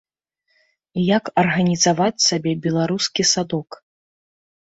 Як арганізаваць сабе беларускі садок.